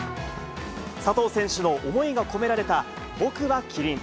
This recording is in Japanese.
佐藤選手の思いが込められた、ぼくはキリン。